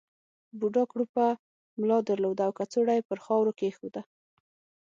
بوډا کړوپه ملا درلوده او کڅوړه یې پر خاورو کېښوده.